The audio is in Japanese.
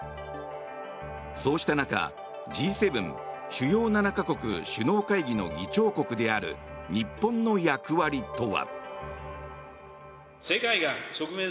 そうした中Ｇ７・主要７か国首脳会議の議長国である、日本の役割とは。